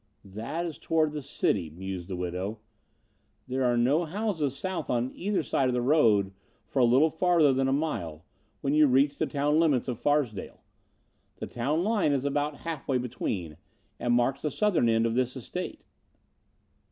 "That is towards the city," mused the widow. "There are no houses south on either side of the road for a little further than a mile, when you reach the town limits of Farsdale. The town line is about half way between, and marks the southern end of this estate."